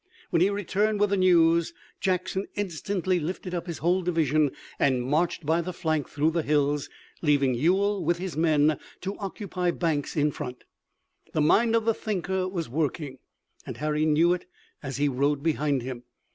When he returned with the news Jackson instantly lifted up his whole division and marched by the flank through the hills, leaving Ewell with his men to occupy Banks in front. The mind of the "thinker" was working, and Harry knew it as he rode behind him.